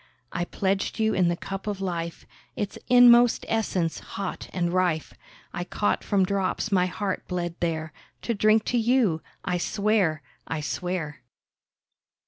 I pledged you in the cup of life, Its inmost essence, hot and rife, I caught from drops my heart bled there, To drink to you, I swear—I swear!